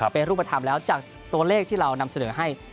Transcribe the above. เป็นรูปธรรมแล้วจากตัวเลขที่เรานำเสนอให้